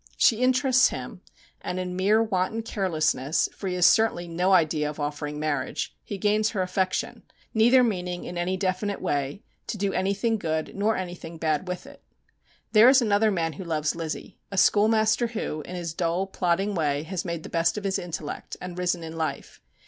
She interests him, and in mere wanton carelessness, for he certainly has no idea of offering marriage, he gains her affection, neither meaning, in any definite way, to do anything good nor anything bad with it. There is another man who loves Lizzie, a schoolmaster, who, in his dull, plodding way, has made the best of his intellect, and risen in life.